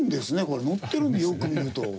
これ載ってるよく見ると。